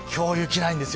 ないんですよ。